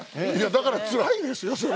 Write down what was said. だからつらいんですよ！